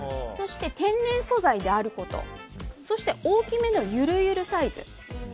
天然素材であることそして大きめのゆるゆるサイズ。